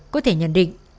có thể nhận định